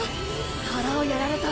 腹をやられた。